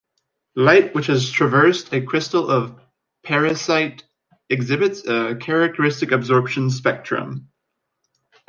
Light which has traversed a crystal of parisite exhibits a characteristic absorption spectrum.